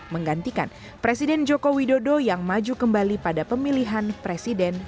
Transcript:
menggantikan presiden joko widodo yang maju kembali pada pemilihan presiden dua ribu sembilan belas